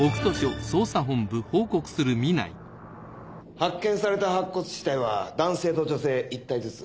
発見された白骨死体は男性と女性１体ずつ。